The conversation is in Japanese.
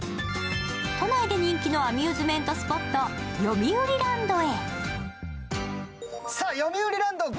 都内で人気のアミューズメントスポット、よみうりランドへ。